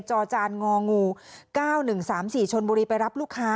จอจานงองูเก้าหนึ่งสามสี่ชนบุรีไปรับลูกค้า